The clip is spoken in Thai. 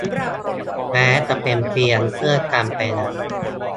แม้จะเป็นเพียงเพื่อนกันไปแล้ว